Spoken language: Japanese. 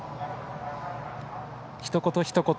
ひと言ひと言